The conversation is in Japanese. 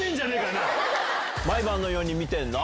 毎晩のように見てるの？